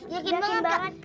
yakin banget kak